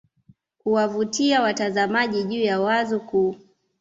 kuwavutia watazamaji juu ya wazo kuu